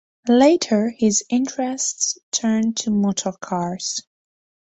Later, his interests turned to Motor Cars.